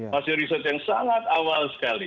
masih riset yang sangat awal sekali